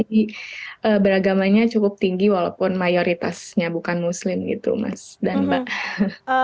jadi beragamanya cukup tinggi walaupun mayoritasnya bukan muslim gitu mas dan mbak